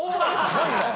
何だよ！